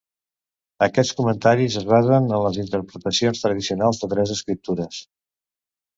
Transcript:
Aquests comentaris es basen en les interpretacions tradicionals de les escriptures.